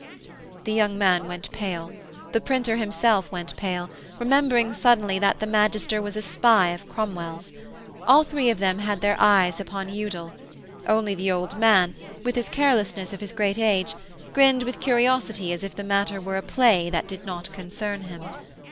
The young man went pale: the printer himself went pale, remembering suddenly that the magister was a spy of Cromwell's; all three of them had their eyes upon Udal; only the old man, with his carelessness of his great age, grinned with curiosity as if the matter were a play that did not concern him.